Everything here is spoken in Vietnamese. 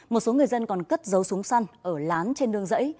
một số người dân còn cất dấu súng săn ở lán trên nương dãy